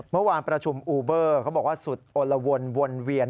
เมื่อวานประชุมอูเบอร์เขาบอกว่าสุดโอละวนวนเวียน